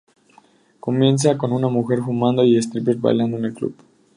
Comienza con una mujer fumando y strippers bailando en un club.